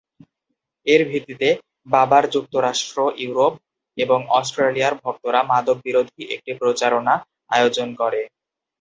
এর ভিত্তিতে, বাবার যুক্তরাষ্ট্র, ইউরোপ এবং অস্ট্রেলিয়ার ভক্তরা মাদক বিরোধী একটি প্রচারণার আয়োজন করে।